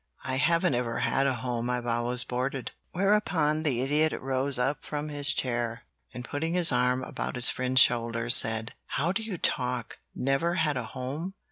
"I haven't ever had a home; I've always boarded." Whereupon the Idiot rose up from his chair, and putting his arm about his friend's shoulder, said: "How you do talk! Never had a home?